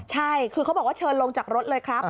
ใช่คือเขาบอกว่าเชิญลงจากรถเลยครับ